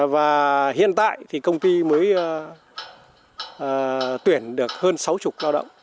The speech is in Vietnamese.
và hiện tại thì công ty mới tuyển được hơn sáu mươi lao động